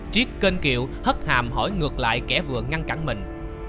triết kênh kiệu hất hàm hỏi ngược lại kẻ vừa ngăn cản mình